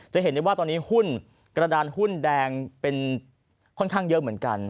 จะเห็นได้ว่าตอนนี้หุ้นกระดานหุ้นแดงเป็นค่อนข้างเยอะเหมือนกัน